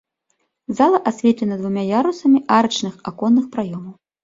Зала асветлена двума ярусамі арачных аконных праёмаў.